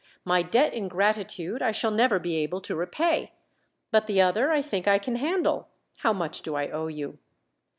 My debt in gratitude I shall never be able to repay, but the other I think I can handle. How much do I owe you?"